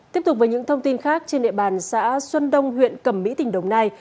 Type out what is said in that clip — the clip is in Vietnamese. tiếp tục với những thông tin khác trên địa bàn xã xuân đông huyện cầm mỹ tỉnh đồng nai